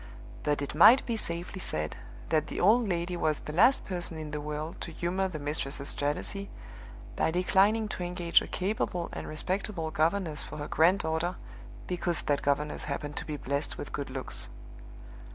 But it might be safely said that the old lady was the last person in the world to humor the mistress's jealousy, by declining to engage a capable and respectable governess for her granddaughter because that governess happened to be blessed with good looks.